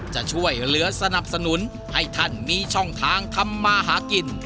จะช่วยเหลือสนับสนุนให้ท่านมีช่องทางทำมาหากิน